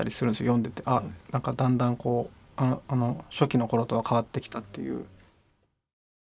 読んでてあっなんかだんだんこう初期の頃とは変わってきたっていう。